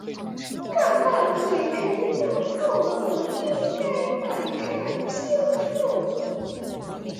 状况简直糟透了……应该马上修复。